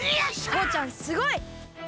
とうちゃんすごい！